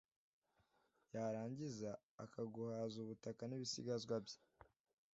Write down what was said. yarangiza akungahaza ubutaka n'ibisigazwa bye